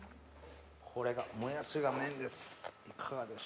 これがもやしが麺です